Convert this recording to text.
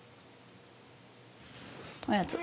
おやつ。